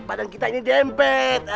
padang kita ini dempet